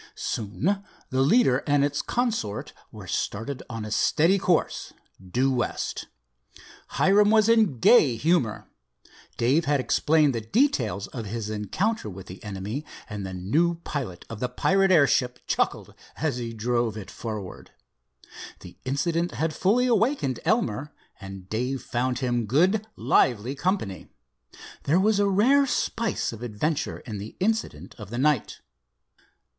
Soon the leader and its consort were started on a steady course, due west. Hiram was in gay humor. Dave had explained the details of his encounter with the enemy, and the new pilot of the pirate airship chuckled as he drove it forward. The incident had fully awakened Elmer, and Dave found him good lively company. There was a rare spice of adventure in the incident of the night.